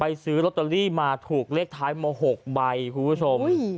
ซื้อลอตเตอรี่มาถูกเลขท้ายมา๖ใบคุณผู้ชม